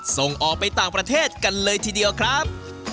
ส่งออกไปต่างประเทศกันเลยทีเดียวครับ